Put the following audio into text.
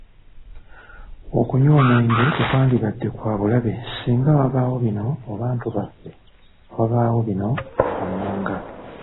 Okunywa omwenge tekwalibadde kwa bulabe singa wabaawo bino mu bantu baffe wabaawo bino wammanga